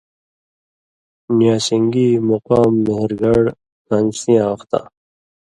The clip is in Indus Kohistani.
نیاسنگی ، مقام، مھرگڑھ، کان٘سی یاں وختاں ،